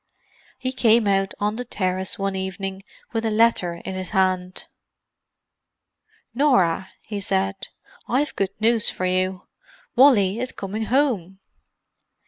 He came out on the terrace one evening with a letter in his hand. "Norah," he said. "I've good news for you—Wally is coming home."